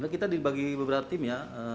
kita dibagi beberapa tim ya